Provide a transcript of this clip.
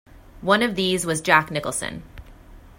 One of these was Jack Nicholson.